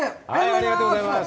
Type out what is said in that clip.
ありがとうございます。